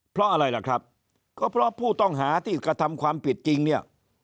เพราะอะไรล่ะครับก็เพราะผู้ต้องหาที่กระทำความผิดจริงเนี่ย